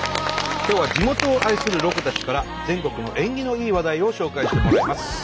今日は地元を愛するロコたちから全国の縁起のいい話題を紹介してもらいます。